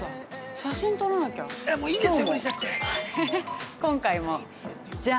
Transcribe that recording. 写真撮らなきゃ。